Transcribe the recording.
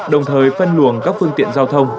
đồng thời phân luồng các phương tiện giao thông